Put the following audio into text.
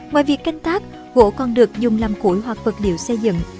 ngoài việc canh tác gỗ còn được dùng làm củi hoặc vật liệu xây dựng